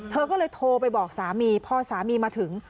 เธอก็เลยโทรไปบอกสามีพอสามีมาถึง